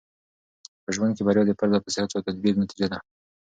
په ژوند کې بریا د پرله پسې هڅو او تدبیر نتیجه ده.